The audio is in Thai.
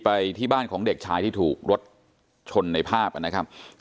ไปที่บ้านของเด็กชายที่ถูกรถชนในภาพนะครับ